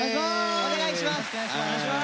お願いします。